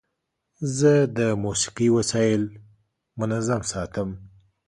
زه د موسیقۍ وسایل منظم ساتم.